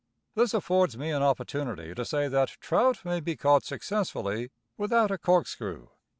This affords me an opportunity to say that trout may be caught successfully without a corkscrew.